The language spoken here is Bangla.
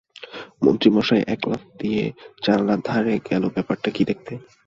মন্ত্রীমশাই এক লাফ দিয়ে জানালার ধারে গেল ব্যাপারটা কী দেখতে।